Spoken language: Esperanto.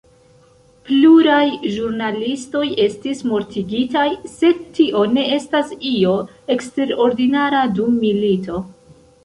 Pluraj ĵurnalistoj estis mortigitaj, sed tio ne estas io eksterordinara dum milito.